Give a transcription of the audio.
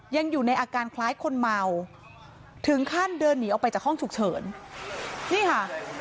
ยังอยู่ในอาการคล้ายคนเมาถึงขั้นเดินหนีออกไปจากห้องฉุกเฉินนี่ค่ะ